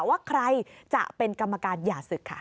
ว่าใครจะเป็นกรรมการหย่าศึกค่ะ